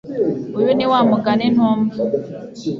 Uyu ni wa mugani ntumva.